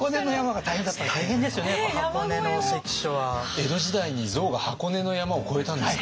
江戸時代に象が箱根の山を越えたんですか。